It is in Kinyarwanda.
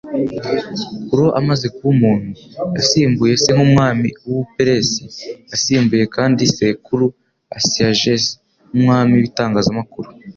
Kuro amaze kuba umuntu, yasimbuye se nk'umwami w'Ubuperesi; yasimbuye kandi sekuru Astyages nk'umwami w'itangazamakuru.